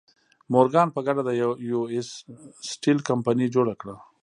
مورګان په ګډه د یو ایس سټیل کمپنۍ جوړه کړه.